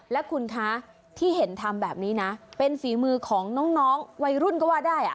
และคุณคะที่เห็นทำแบบนี้นะเป็นฝีมือของน้องวัยรุ่นก็ว่าได้